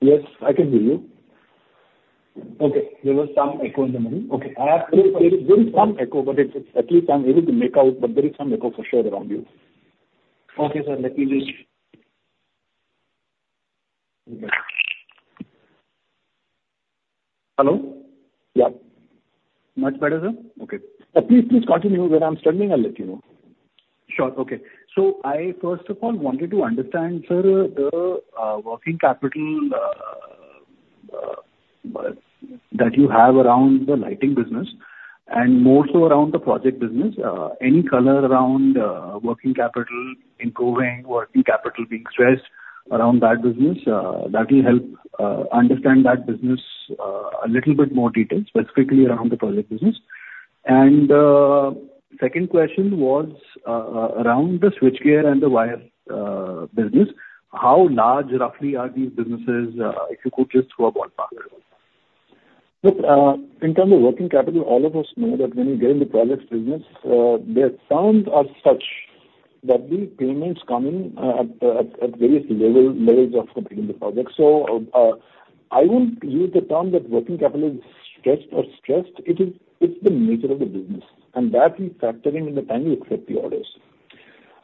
Yes, I can hear you. Okay. There was some echo in the middle. Okay. There is some echo, but it's, at least I'm able to make out, but there is some echo for sure around you. Okay, sir. Let me reach. Hello? Yeah. Much better, sir? Okay. Please, please continue. Where I'm struggling, I'll let you know. Sure. Okay. So I first of all wanted to understand, sir, the working capital that you have around the lighting business and more so around the project business. Any color around working capital, improving working capital being stressed around that business that will help understand that business a little bit more detail, specifically around the project business. And second question was around the switchgear and the wire business. How large roughly are these businesses, if you could just give a ballpark? Look, in terms of working capital, all of us know that when you get in the projects business, their terms are such that these payments come in at various levels of completing the project. So, I wouldn't use the term that working capital is stressed or stressed. It is, it's the nature of the business, and that we factor in in the time we accept the orders.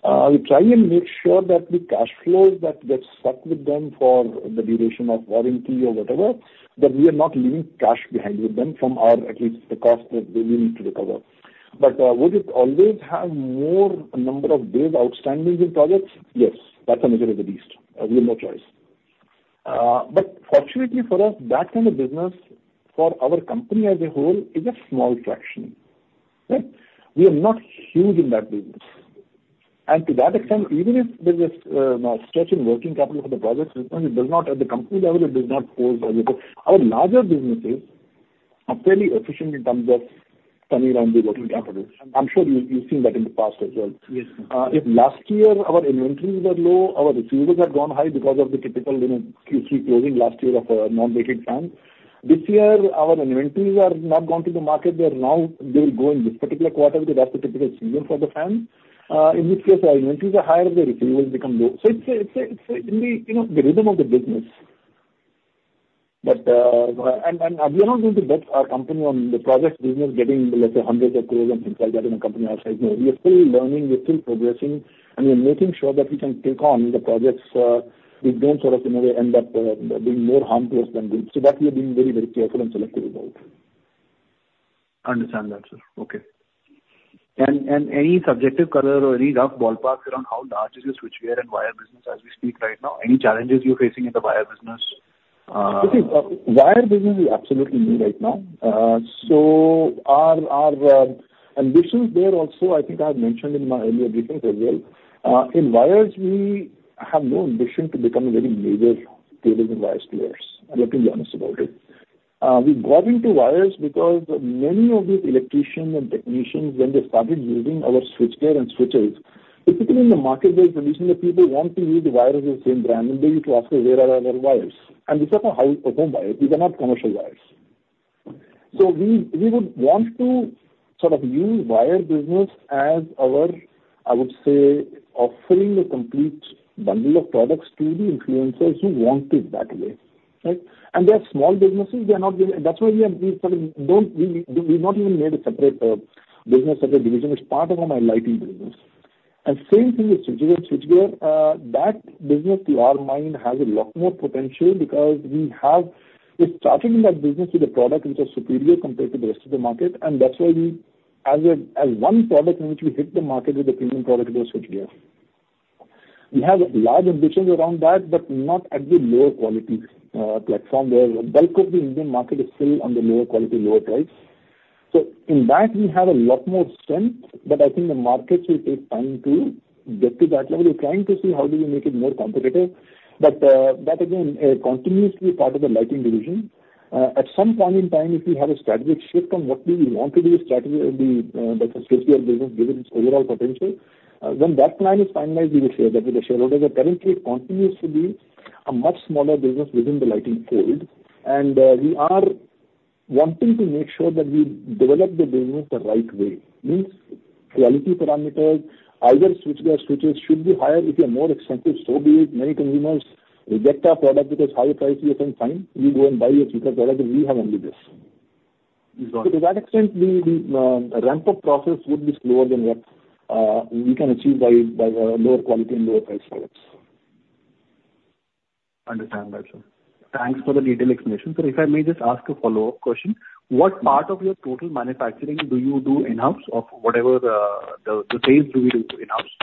We try and make sure that the cash flows that get stuck with them for the duration of warranty or whatever, that we are not leaving cash behind with them from our, at least, the cost that we need to recover. But, would it always have more number of days outstanding with projects? Yes, that's the nature of the beast. We have no choice. But fortunately for us, that kind of business for our company as a whole is a small fraction. Right? We are not huge in that business. And to that extent, even if there's a stretch in working capital for the projects, it does not... at the company level, it does not hold very well. Our larger businesses are fairly efficient in terms of coming around the working capital. I'm sure you, you've seen that in the past as well. Yes, sir. If last year our inventories were low, our receivables had gone high because of the typical, you know, Q3 closing last year of non-rated fans. This year, our inventories are not gone to the market. They will go in this particular quarter because that's the typical season for the fans. In which case, our inventories are higher, the receivables become low. So it's a, you know, the rhythm of the business. But we are not going to bet our company on the project business getting, let's say, hundreds of crores and things like that in a company our size. No, we are still learning, we're still progressing, and we are making sure that we can take on the projects, which don't sort of, in a way, end up being more harmful to us than good. So that we are being very, very careful and selective about. Understand that, sir. Okay. And any subjective color or any rough ballpark around how large is your switchgear and wire business as we speak right now? Any challenges you're facing in the wire business? See, wire business is absolutely new right now. So our ambitions there also, I think I've mentioned in my earlier briefings as well. In wires, we have no ambition to become a very major cables and wires players. I've got to be honest about it. We got into wires because many of these electricians and technicians, when they started using our switchgear and switches, typically in the market, there is a tradition that people want to use the wires of the same brand, and they used to ask us, "Where are our other wires?" And these are for home wires, these are not commercial wires. So we would want to sort of use wire business as our, I would say, offering a complete bundle of products to the influencers who want it that way, right? And they are small businesses, they are not big. That's why we've not even made a separate business or a division. It's part of our lighting business. And same thing with switchgear. Switchgear, that business, to our mind, has a lot more potential because we have... We're starting that business with a product which is superior compared to the rest of the market, and that's why we... As one product in which we hit the market with a premium product, it was switchgear. We have large ambitions around that, but not at the lower quality platform, where the bulk of the Indian market is still on the lower quality, lower price. So in that, we have a lot more strength, but I think the markets will take time to get to that level. We're trying to see how do we make it more competitive, but that again continues to be part of the lighting division. At some point in time, if we have a strategic shift on what we want to do strategically, the switchgear business, given its overall potential, when that plan is finalized, we will share that with the shareholders. But currently, it continues to be a much smaller business within the lighting field. And we are wanting to make sure that we develop the business the right way. Means quality parameters, either switchgear switches should be higher, if they are more expensive, so be it. Many consumers reject our product because higher price we are saying: "Fine, you go and buy a cheaper product, we have only this. You got it. So to that extent, the ramp-up process would be slower than what we can achieve by the lower quality and lower price products. Understand that, sir. Thanks for the detailed explanation. If I may just ask a follow-up question: What part of your total manufacturing do you do in-house, or whatever the base do you do in-house?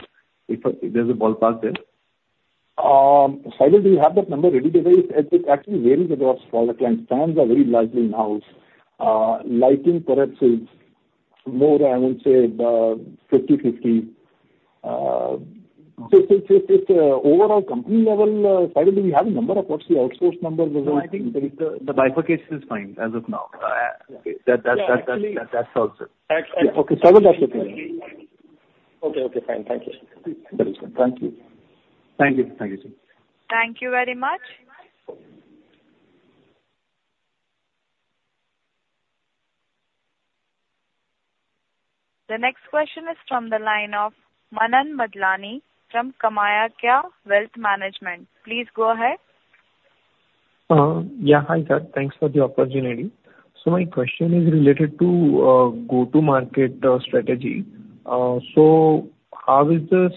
If there's a ballpark there. Saibal, do you have that number ready? Because it actually varies across product lines. Fans are very largely in-house. Lighting products is more, I would say, 50/50. So overall company level, Saibal, do we have a number? What's the outsource number versus- No, I think the bifurcation is fine as of now. That solves it. Actually- Okay, Saibal, that's okay. Okay, okay, fine. Thank you. Thank you. Thank you. Thank you, sir. Thank you very much. The next question is from the line of Manan Madlani from Kamayakya Wealth Management. Please go ahead. Yeah, hi, sir. Thanks for the opportunity. So my question is related to go-to-market strategy. So how is the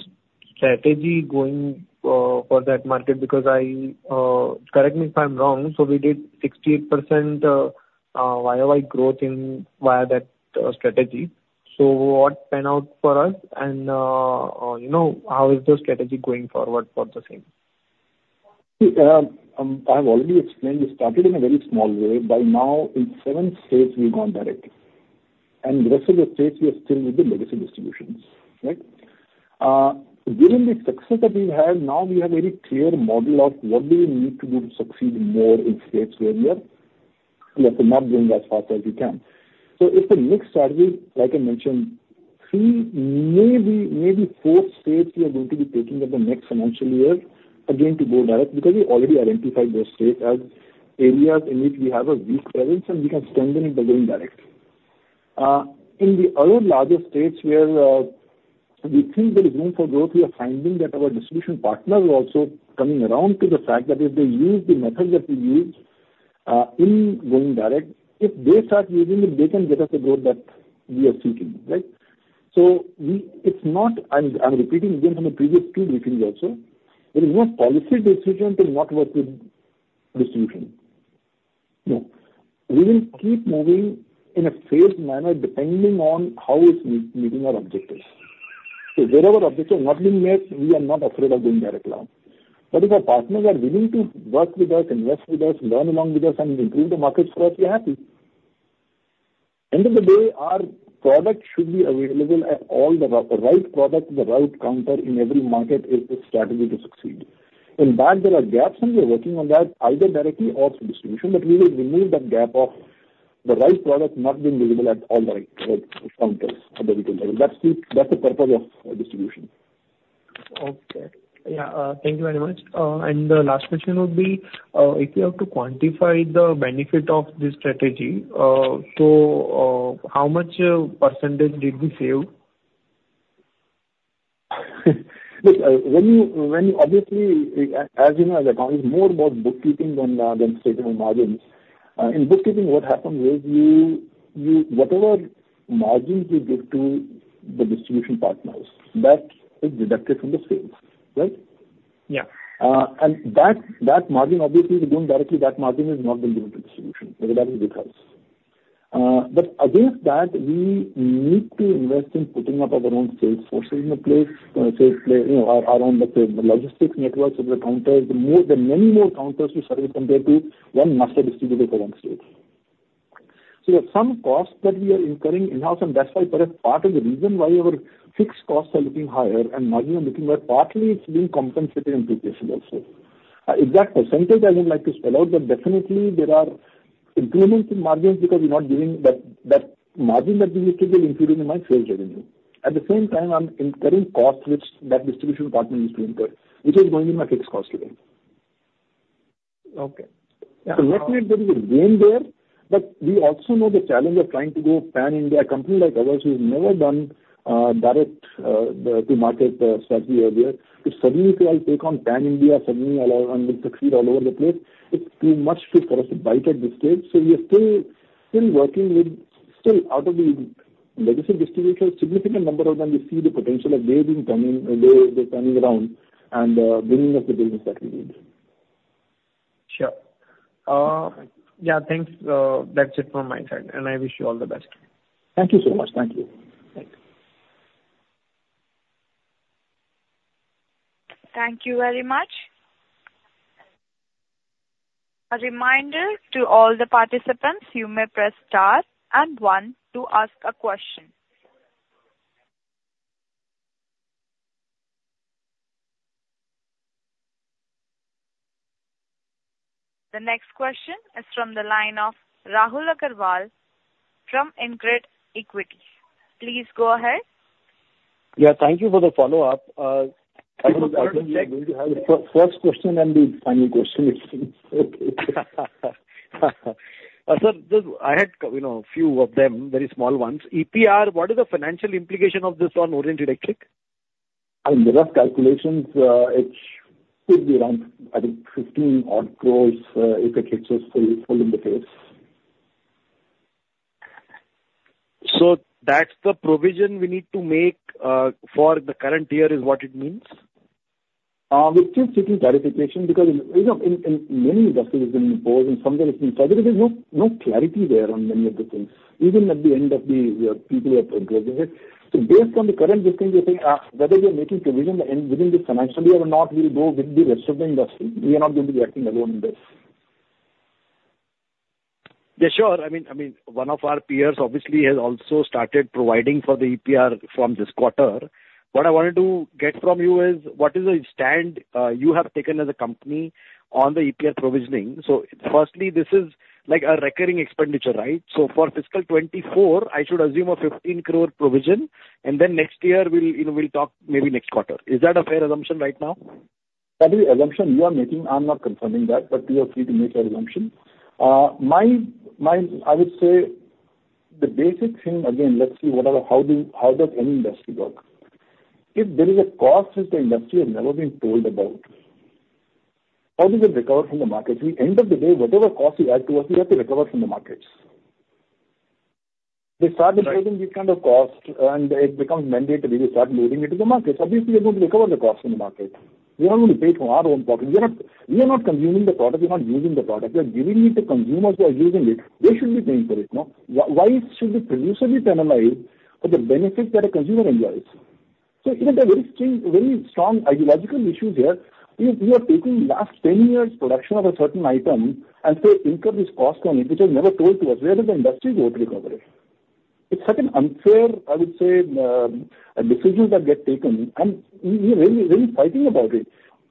strategy going for that market? Because I... Correct me if I'm wrong, so we did 68% YOY growth in via that strategy. So what pan out for us and, you know, how is the strategy going forward for the same? I've already explained, we started in a very small way. By now, in seven states we've gone direct. And the rest of the states, we are still with the legacy distributions, right? Given the success that we've had, now we have a very clear model of what do we need to do to succeed more in states where we are, we are not growing as fast as we can. So if the next strategy, like I mentioned, three, maybe, maybe four states we are going to be taking in the next financial year, again, to go direct, because we already identified those states as areas in which we have a weak presence, and we can strengthen it by going direct. In the other larger states where we think there is room for growth, we are finding that our distribution partners are also coming around to the fact that if they use the method that we use in going direct, if they start using it, they can get us the growth that we are seeking, right? So it's not, I'm repeating again from the previous two briefings also, there is no policy decision to not work with distribution. No. We will keep moving in a phased manner, depending on how it's meeting our objectives. So wherever objectives are not being met, we are not afraid of going direct now. But if our partners are willing to work with us, invest with us, learn along with us, and improve the market share, we're happy. End of the day, our product should be available at all the. The right product in the right counter in every market is the strategy to succeed. In that, there are gaps, and we're working on that, either directly or through distribution, but we will remove that gap of the right product not being available at all the counters at the retail level. That's the, that's the purpose of our distribution. Okay. Yeah, thank you very much. The last question would be, if you have to quantify the benefit of this strategy, so, how much percentage did we save? Look, when you obviously, as you know, accounting is more about bookkeeping than statement margins. In bookkeeping, what happens is you, whatever margins you give to the distribution partners, that is deducted from the sales, right? Yeah. And that margin obviously is going directly, that margin is not being given to distribution because that is in-house. But against that, we need to invest in putting up our own sales forces in the place, sales place, you know, our own logistics networks of the counters. There are many more counters to serve compared to one master distributor for one state. So there are some costs that we are incurring in-house, and that's why perhaps part of the reason why our fixed costs are looking higher and margin are looking lower, partly it's being compensated in pre-paid also. Exact percentage I wouldn't like to spell out, but definitely there are improvements in margins because we're not giving that margin that we were giving, including in my sales revenue. At the same time, I'm incurring costs which that distribution partner used to incur, which is going in my fixed cost today. Okay. So luckily, there is a gain there, but we also know the challenge of trying to go pan-India. A company like ours who's never done direct to market strategy earlier, if suddenly say I'll take on pan-India, suddenly allow and will succeed all over the place, it's too much for, for us to bite at this stage. So we are still, still working with... Still, out of the legacy distributors, a significant number of them, we see the potential of they've been coming, they, they're coming around and, bringing us the business that we need.... Sure. Yeah, thanks. That's it from my side, and I wish you all the best. Thank you so much. Thank you. Thank you. Thank you very much. A reminder to all the participants, you may press Star and One to ask a question. The next question is from the line of Rahul Agarwal from InCred Equities. Please go ahead. Yeah, thank you for the follow-up. First question and the final question. Sir, just I had, you know, a few of them, very small ones. EPR, what is the financial implication of this on Orient Electric? The rough calculations, it could be around, I think, 15 odd crores, if it hits us full, full in the face. That's the provision we need to make, for the current year, is what it means? We still seeking clarification because, you know, in many investors have been involved, and some of them have been... There is no clarity there on many of the things. Even at the end of the, people are addressing it. So based on the current listing, we think, whether we are making provision in, within this financial year or not, we'll go with the rest of the industry. We are not going to be acting alone in this. Yeah, sure. I mean, I mean, one of our peers obviously has also started providing for the EPR from this quarter. What I wanted to get from you is, what is the stand you have taken as a company on the EPR provisioning? So firstly, this is like a recurring expenditure, right? So for fiscal 2024, I should assume an 15 crore provision, and then next year we'll, you know, we'll talk maybe next quarter. Is that a fair assumption right now? That is the assumption you are making. I'm not confirming that, but you are free to make your assumption. I would say the basic thing, again, let's see, what are the, how do, how does any industry work? If there is a cost which the industry has never been told about, how does it recover from the market? We, end of the day, whatever cost is added to us, we have to recover from the markets. They start imposing- Right. This kind of cost, and it becomes mandatory, we start moving it to the markets. Obviously, we are going to recover the cost from the market. We are not going to pay from our own pocket. We are not, we are not consuming the product. We are not using the product. We are giving it to consumers who are using it. They should be paying for it, no? Why should the producer be penalized for the benefit that a consumer enjoys? So even the very strange, very strong ideological issue here, we are taking last 10 years' production of a certain item and say, incur this cost on it, which was never told to us. Where does the industry go to recover it? It's such an unfair, I would say, decisions that get taken, and we are really, really fighting about it.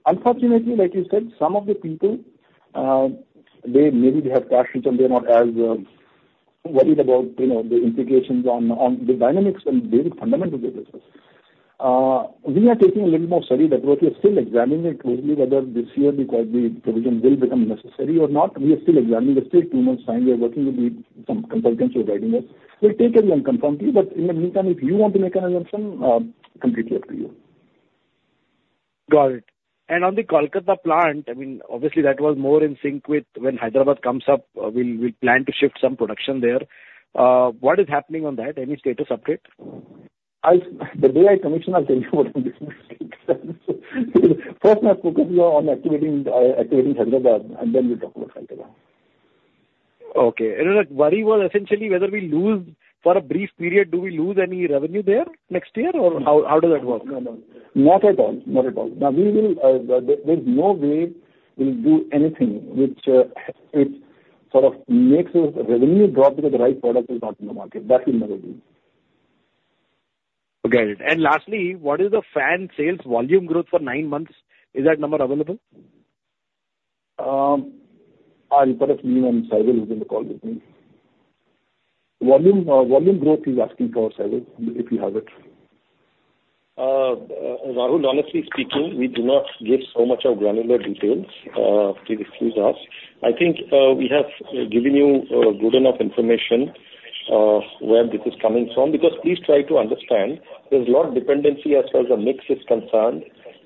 Unfortunately, like you said, some of the people, they maybe have cash, and they're not as worried about, you know, the implications on the dynamics and basic fundamentals of the business. We are taking a little more study that we are still examining it closely, whether this year, because the provision will become necessary or not. We are still examining. There's still two months' time. We are working with some consultants who are guiding us. We'll take a view and confirm to you, but in the meantime, if you want to make an assumption, completely up to you. Got it. And on the Kolkata plant, I mean, obviously, that was more in sync with when Hyderabad comes up, we plan to shift some production there. What is happening on that? Any status update? I, the day I commission, I'll tell you what is the status. First, my focus is on activating Hyderabad, and then we'll talk about Kolkata. Okay. The worry was essentially whether we lose... For a brief period, do we lose any revenue there next year, or how, how does that work? No, no. Not at all. Not at all. Now, there's no way we'll do anything which sort of makes the revenue drop because the right product is not in the market. That we'll never do. Okay. Lastly, what is the fan sales volume growth for nine months? Is that number available? I'll refer to Saibal, who's in the call with me. Volume, volume growth he's asking for, Saibal, if you have it. Rahul, honestly speaking, we do not give so much of granular details. Please excuse us. I think, we have, given you, good enough information, where this is coming from. Because please try to understand, there's a lot of dependency as far as the mix is concerned,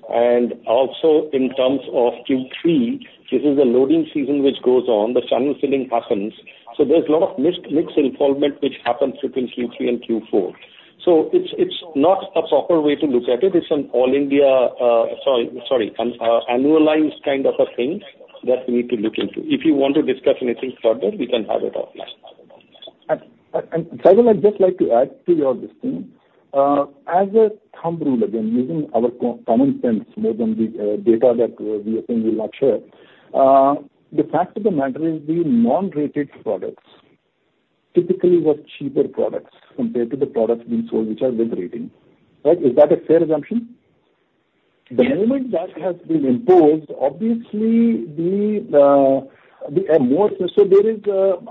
and also in terms of Q3, this is a loading season which goes on, the summer selling happens. So there's a lot of mix, mix involvement which happens between Q3 and Q4. So it's, it's not a proper way to look at it. It's an all-India, sorry, sorry, an, annualized kind of a thing that we need to look into. If you want to discuss anything further, we can have it offline. Saibal, I'd just like to add to your listing. As a thumb rule, again, using our common sense more than the data that we have been able to share, the fact of the matter is the non-rated products typically were cheaper products compared to the products being sold, which are with rating, right? Is that a fair assumption? Yes. The moment that has been imposed, obviously, the more. So there is,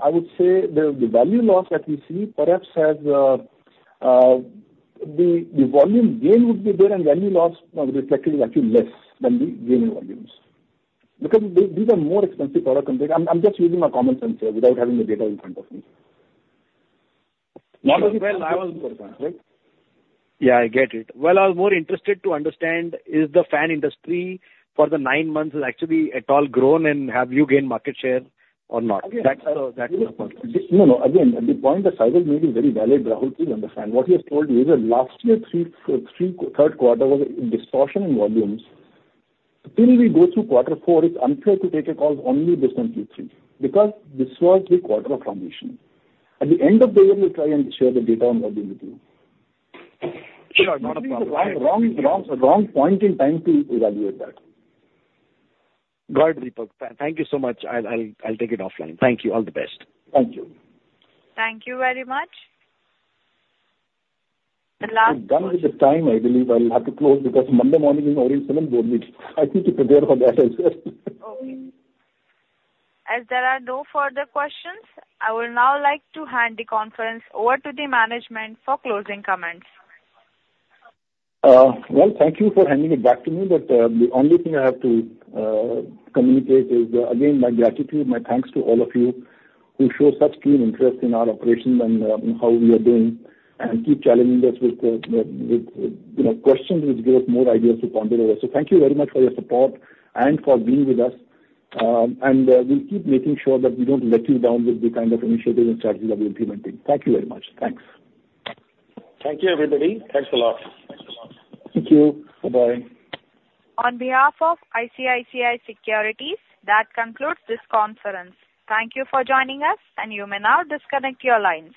I would say the value loss that we see perhaps has, the volume gain would be there, and value loss reflected is actually less than the gain in volumes. Because these are more expensive products. I'm just using my common sense here without having the data in front of me. Well, I was- Right? Yeah, I get it. Well, I was more interested to understand, is the fan industry for the nine months, is actually at all grown, and have you gained market share or not? Again- That's, that's my point. No, no. Again, the point that Saibal made is very valid, Rahul. Please understand. What he has told you is that last year third quarter was a distortion in volumes. Until we go through quarter four, it's unfair to take a call only based on Q3, because this was a quarter of formation. At the end of the year, we'll try and share the data on volume with you. Sure, not a problem. Wrong, wrong, wrong, wrong point in time to evaluate that. Got it, Deepak. Thank you so much. I'll take it offline. Thank you. All the best. Thank you. Thank you very much. The last- We're done with the time, I believe. I'll have to close because Monday morning is Orient board meeting. I need to prepare for that as well. Okay. As there are no further questions, I would now like to hand the conference over to the management for closing comments. Well, thank you for handing it back to me, but the only thing I have to communicate is again my gratitude, my thanks to all of you who show such keen interest in our operations and how we are doing, and keep challenging us with you know, questions which give us more ideas to ponder over. So thank you very much for your support and for being with us, and we'll keep making sure that we don't let you down with the kind of initiatives and strategies we are implementing. Thank you very much. Thanks. Thank you, everybody. Thanks a lot. Thanks a lot. Thank you. Bye-bye. On behalf of ICICI Securities, that concludes this conference. Thank you for joining us, and you may now disconnect your lines.